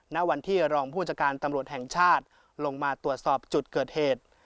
ณวันที่รองผู้จัดการตำรวจแห่งชาติลงมาตรวจสอบจุดเกิดเหตุ